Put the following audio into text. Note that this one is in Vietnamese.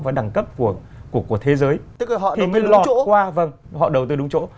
vâng họ đầu tư đúng chỗ